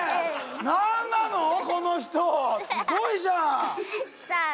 なんなのこの人すごいじゃんさん